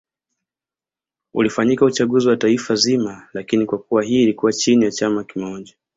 ulifanyika uchaguzi wa taifa zima lakini Kwa kuwa hii ilikuwa nchi ya chama kimoja